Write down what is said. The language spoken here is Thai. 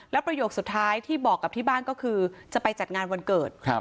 แล้วประโยคสุดท้ายที่บอกกับที่บ้านก็คือจะไปจัดงานวันเกิดครับ